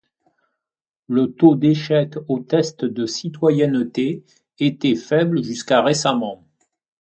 Le taux d'échec au test de citoyenneté était faible jusqu'à récemment.